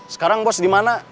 sekarang bos dimana